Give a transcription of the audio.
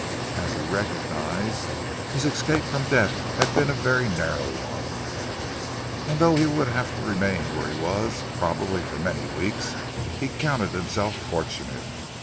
As he recognized, his escape from death had been a very narrow one, and though he would have to remain where he was, probably for many weeks, he counted himself fortunate.